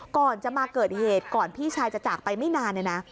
ก่อนจะมาเกิดเหตุก่อนพี่ชายจะจากไปไม่นานเนี่ยนะ